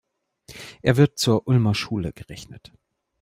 Er wird zur Ulmer Schule gerechnet.